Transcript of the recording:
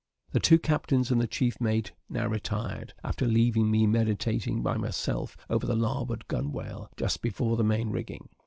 The two captains and the chief mate now retired, after leaving me meditating by myself over the larboard gunwale, just before the main rigging.